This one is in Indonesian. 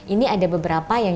ini ada beberapa yang